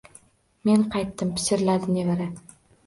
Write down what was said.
Men qaytdim, – pichirladi nevara.